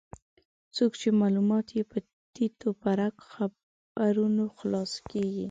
څوک چې معلومات یې په تیت و پرک خبرونو خلاصه کېږي.